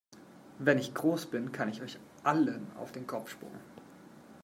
Wenn ich groß bin, kann ich euch allen auf den Kopf spucken!